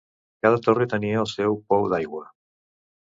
Cada torre tenia el seu pou d'aigua.